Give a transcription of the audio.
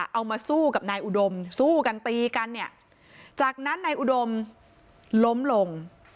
เอามาสู้กับนายอุดมสู้กันตีกันเนี่ยจากนั้นนายอุดมล้มลง